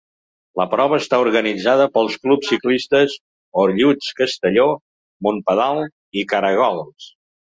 La prova està organitzada pels clubs ciclistes ‘Orelluts Castelló’, ‘Monpedal’ i ‘Karagols’.